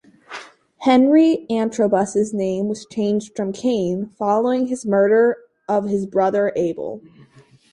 Henry Antrobus's name was changed from "Cain", following his murder of his brother Abel.